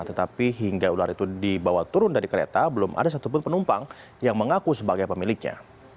tetapi hingga ular itu dibawa turun dari kereta belum ada satupun penumpang yang mengaku sebagai pemiliknya